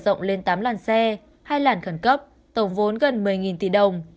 rộng lên tám làn xe hai làn khẩn cấp tổng vốn gần một mươi tỷ đồng